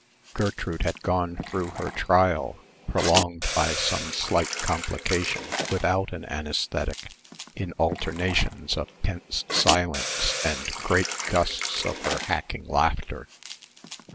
Gertrude had gone through her trial, prolonged by some slight complication, without an anæsthetic, in alternations of tense silence and great gusts of her hacking laughter.